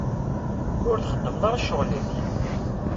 Ur txeddmeḍ ara ccɣel-ik?